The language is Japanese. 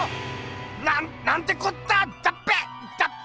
なんなんてこっただっぺだっぺ！